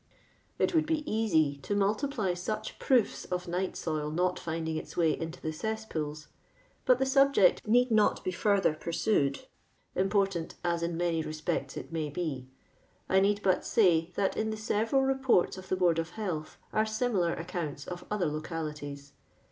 It would be easy to multiply such proofs of night soil not finding its way into the cesspools, but the suhjcct need not be further pursued, im portant as in many respects it may be. I need but say, that in the several reports of the Board of Health are similar accounts of other localities.